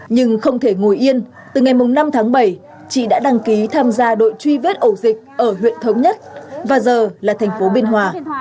nhưng không thể ngồi yên từ ngày năm tháng bảy chị đã đăng ký tham gia đội truy vết ẩu dịch ở huyện thống nhất và giờ là thành phố biên hòa